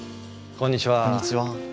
こんにちは。